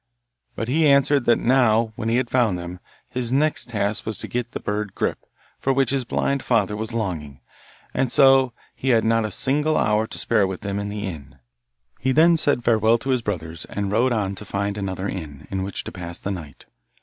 But he answered that now, when he had found them, his next task was to get the bird Grip, for which his blind father was longing, and so he had not a single hour to spare with them in the inn. He then said farewell to his brothers, and rode on to find another inn in which to pass the night.